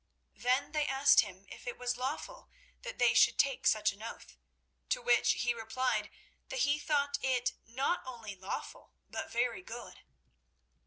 Then they asked him if it was lawful that they should take such an oath, to which he replied that he thought it not only lawful, but very good.